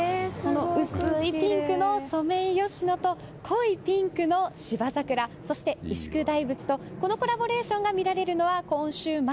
薄いピンクのソメイヨシノと濃いピンクのシバザクラそして牛久大仏とこのコラボレーションが見られるのは今週末。